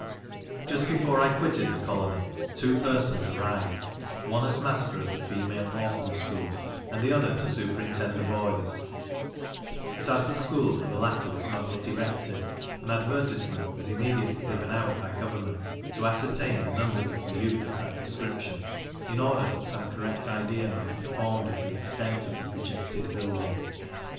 Just before I quitted the colony, two persons arrived; one as master of the female Orphan school, and the other to superintend the boys; but as the school for the latter was not yet erected, an advertisement was immediately given out by government, to ascertain the numbers of the youth of that description, in order that some correct idea might be formed of the extent of the projected building.